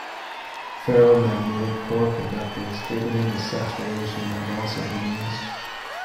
Ferromagnetic-core inductors driven into saturation have also been used.